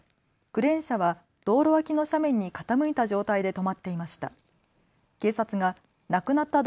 クレーン車は道路脇の斜面に傾いた状態で止まっていました。